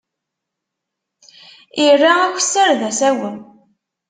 Irra akesser d asawen.